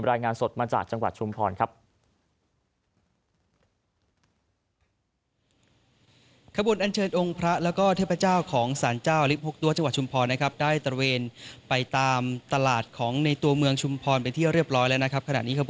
รายงานสดมาจากจังหวัดชุมพรครับ